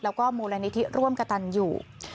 แล้วก็มูลนิธิร่วมกระตันอยู่